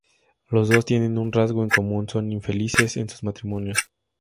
Los dos tienen un rasgo en común: son infelices en sus matrimonios.